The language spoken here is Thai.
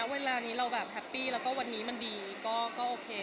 เวลานี้เราแบบแฮปปี้แล้วก็วันนี้มันดีก็โอเค